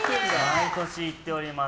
毎年行っております。